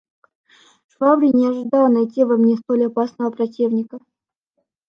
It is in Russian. Швабрин не ожидал найти во мне столь опасного противника.